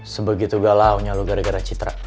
sebegitu galau nya lu gara dua citra